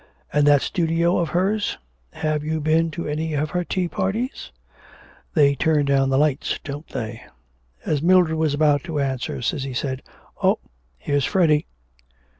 And that studio of hers? Have you been to any of her tea parties? They turn down the lights, don't they?' As Mildred was about to answer, Cissy said, 'Oh, here's Freddy.'